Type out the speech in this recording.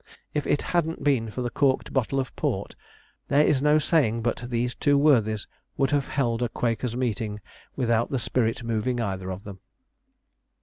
If it hadn't been for the corked bottle of port, there is no saying but these two worthies would have held a Quakers' meeting without the 'spirit' moving either of them.